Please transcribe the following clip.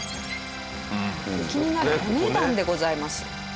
気になるお値段でございます。